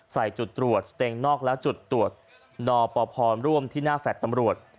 ใส่จุดตรวจเตรียงนอกและจุดตรวจนอปภพรรมร่วมที่หน้าแฝดตำรวจ